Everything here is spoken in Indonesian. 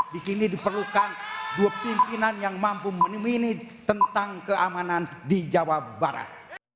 di sini diperlukan dua pimpinan yang mampu menemini tentang keamanan di jawa barat